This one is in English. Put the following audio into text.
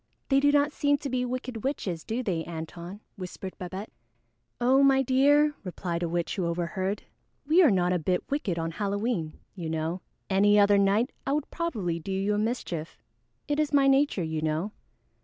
"They do not seem to be wicked witches, do they, Antone?" whispered Babette. "Oh, my dear," replied a witch who overheard, "we are not a bit wicked on Halloween, you know. Any other night, I would probably do you a mischief. It is my nature, you know."